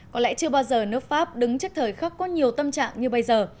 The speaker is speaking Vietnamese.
có lẽ chưa bao giờ nước pháp đứng trước thời khắc có nhiều tâm trạng như bây giờ